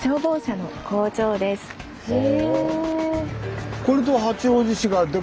へえ。